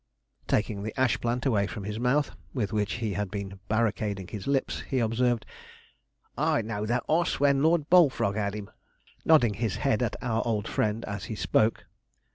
Taking the ash plant away from his mouth, with which he had been barricading his lips, he observed 'I know'd that oss when Lord Bullfrog had him,' nodding his head at our old friend as he spoke.